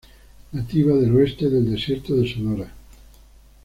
Nativa del oeste del Desierto de Sonora.